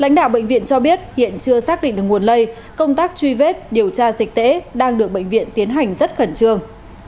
lãnh đạo bệnh viện cho biết hiện chưa xác định được nguồn lây công tác truy vết điều tra dịch tễ đang được bệnh viện tiến hành rất khẩn trương